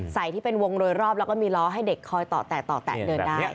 ที่เป็นวงโดยรอบแล้วก็มีล้อให้เด็กคอยต่อแตะเดินได้